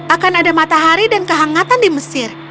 akan ada matahari dan kehangatan di mesir